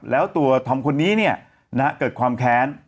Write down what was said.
แล้วตัวธรรมคนนี้เนี่ยนะฮะเกิดความแค้น